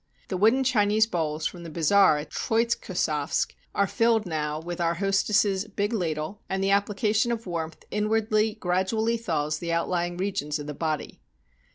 The wooden Chinese bowls from the bazaar at Troitzkosavsk are filled now with our hostess's 192 IN A TARTAR TENT big ladle, and the application of warmth inwardly grad ually thaws the outlying regions of the body.